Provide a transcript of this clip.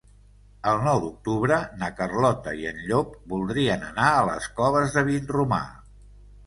El nou d'octubre na Carlota i en Llop voldrien anar a les Coves de Vinromà.